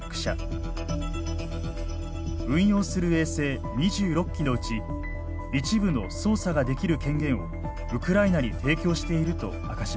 運用する衛星２６基のうち一部の操作ができる権限をウクライナに提供していると明かしました。